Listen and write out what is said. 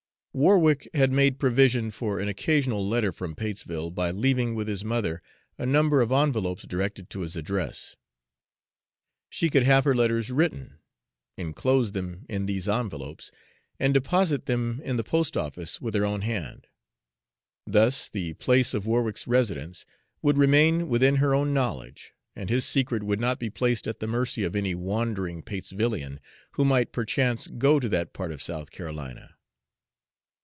Warwick had made provision for an occasional letter from Patesville, by leaving with his mother a number of envelopes directed to his address. She could have her letters written, inclose them in these envelopes, and deposit them in the post office with her own hand. Thus the place of Warwick's residence would remain within her own knowledge, and his secret would not be placed at the mercy of any wandering Patesvillian who might perchance go to that part of South Carolina.